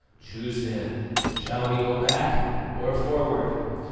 Choose then: shall we go back or forward?